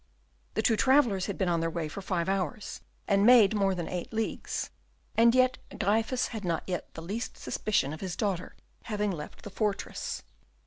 The two travellers had been on their way for five hours, and made more than eight leagues, and yet Gryphus had not the least suspicion of his daughter having left the fortress.